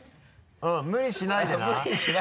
無理しないでな。